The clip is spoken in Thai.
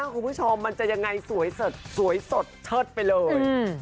คุณผู้ชมมันจะยังไงสวยสดสวยสดเชิดไปเลย